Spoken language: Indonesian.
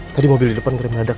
tadi mobil di depan keren mendadak